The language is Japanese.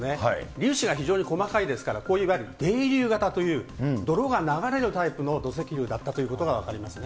粒子が非常に細かいですから、こういういわゆる泥流型という、泥が流れるタイプの土石流だったということが分かりますね。